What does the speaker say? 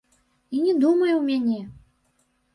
І не думай у мяне!